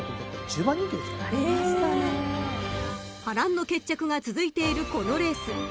［波乱の決着が続いているこのレース］